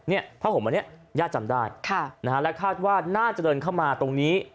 เนี่ยผ้าห่มอันนี้ญาติจำได้และคาดว่าน่าจะเดินเข้ามาตรงนี้